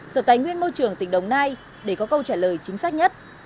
sở tài nguyên môi trường tỉnh đồng nai để có câu trả lời chính xác nhất